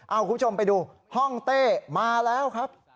เอาคุณผู้ชมไปดูห้องเต้มาแล้วครับ